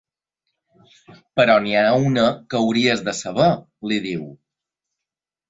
Però n'hi ha una que hauries de saber –li diu.